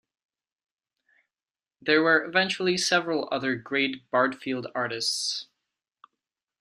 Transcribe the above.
There were eventually several other Great Bardfield Artists.